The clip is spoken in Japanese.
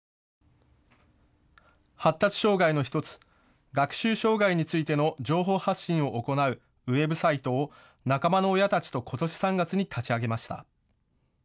発達障害の１つ、学習障害についての情報発信を行うウェブサイトを仲間の親たちとことし３月に立ち上げました。